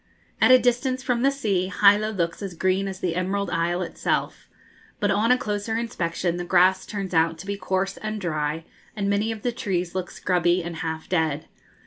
At a distance from the sea, Hilo looks as green as the Emerald Isle itself; but on a closer inspection the grass turns out to be coarse and dry, and many of the trees look scrubby and half dead.